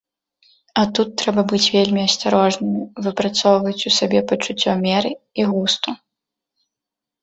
А тут трэба быць вельмі асцярожнымі, выпрацоўваць у сабе пачуццё меры і густу.